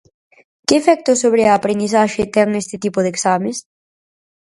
Que efectos sobre a aprendizaxe ten este tipo de exames?